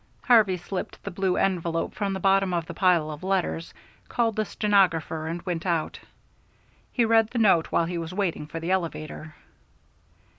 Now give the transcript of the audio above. Harvey slipped the blue envelope from the bottom of the pile of letters, called the stenographer, and started out. He read the note while he was waiting for the elevator.